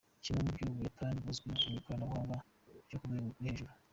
Kimwe mu byo Ubuyapani buzwiho ni ikoranabuhanga ryo ku rwego rwo hejuru.